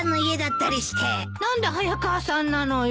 何で早川さんなのよ。